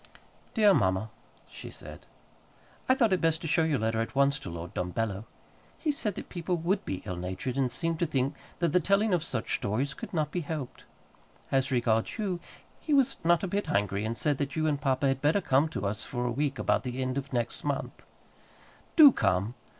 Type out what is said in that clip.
DEAR MAMMA [she said], I thought it best to show your letter at once to Lord Dumbello. He said that people would be ill natured, and seemed to think that the telling of such stories could not be helped. As regards you, he was not a bit angry, but said that you and papa had better come to us for a week about the end of next month. Do come.